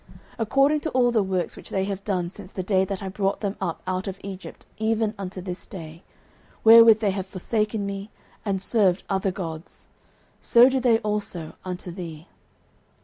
09:008:008 According to all the works which they have done since the day that I brought them up out of Egypt even unto this day, wherewith they have forsaken me, and served other gods, so do they also unto thee.